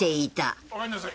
おかえりなさい。